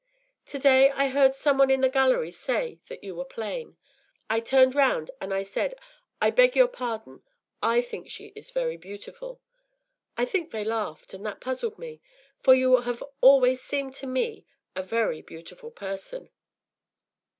Today I heard some one in the gallery say that you were plain. I turned round and I said, ‘I beg your pardon; I think she is very beautiful.’ I think they laughed, and that puzzled me; for you have always seemed to me a very beautiful person.